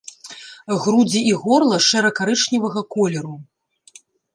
Грудзі і горла шэра-карычневага колеру.